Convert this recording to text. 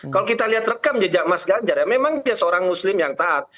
kalau kita lihat rekam jejak mas ganjar ya memang dia seorang muslim yang taat